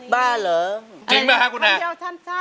บ้าเหรอ